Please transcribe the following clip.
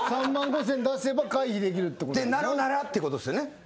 ってなるならってことですよね。